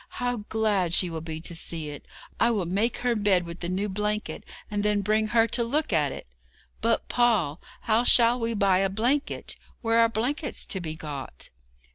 How glad she will be to see it! I will make her bed with the new blanket, and then bring her to look at it. But, Paul, how shall we buy a blanket? Where are blankets to be got?'